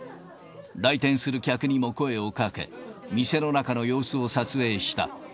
来店する客にも声をかけ、店の中の様子を撮影した。